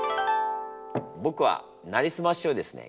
僕は「なりすまし」をですね